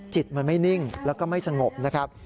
จิตมันไม่นิ่งแล้วก็ไม่สงบนะครับ